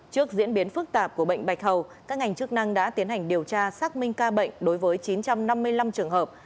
trước diễn biến phức tạp của bệnh bạch hầu các ngành chức năng đã tiến hành điều tra xác minh ca bệnh đối với chín trăm năm mươi năm trường hợp